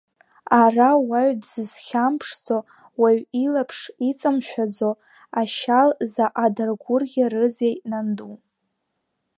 Ара уаҩ дзызхьамԥшӡо, уаҩ илаԥш иҵамшәаӡо ашьал заҟа даргәырӷьарызеи нанду!